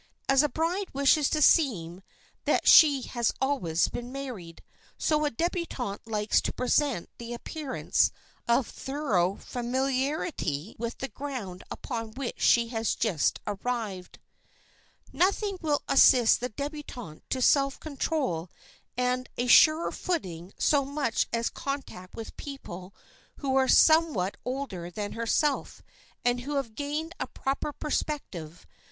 As a bride wishes it to seem that she has always been married, so a débutante likes to present the appearance of thorough familiarity with the ground upon which she has just arrived. [Sidenote: LOSING SELF CONSCIOUSNESS] Nothing will assist the débutante to self control and a surer footing so much as contact with people who are somewhat older than herself and who have gained a proper perspective.